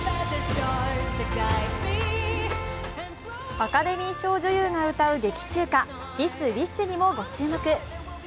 アカデミー賞女優が歌う劇中歌「ＴｈｉｓＷｉｓｈ」にもご注目。